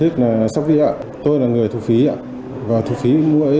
chưa có hình thức sắp đi ạ tôi là người thu phí ạ